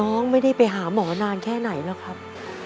ไม่ได้ไปหาหมอนานแค่ไหนแล้วครับ